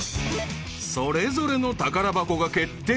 ［それぞれの宝箱が決定］